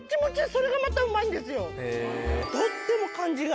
それがまたうまいんですよ。